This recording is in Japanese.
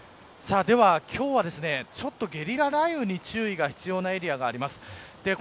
今日はゲリラ雷雨に注意が必要なエリアがあります。